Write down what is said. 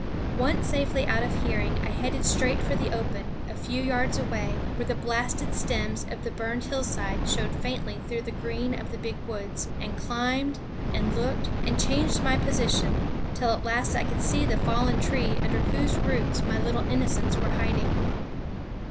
Once safely out of hearing I headed straight for the open, a few yards away, where the blasted stems of the burned hillside showed faintly through the green of the big woods, and climbed, and looked, and changed my position, till at last I could see the fallen tree under whose roots my little innocents were hiding.